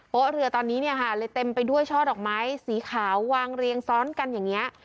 เรือตอนนี้เนี่ยค่ะเลยเต็มไปด้วยช่อดอกไม้สีขาววางเรียงซ้อนกันอย่างนี้